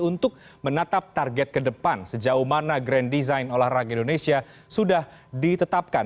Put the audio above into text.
untuk menatap target ke depan sejauh mana grand design olahraga indonesia sudah ditetapkan